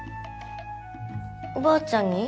おばあちゃんに？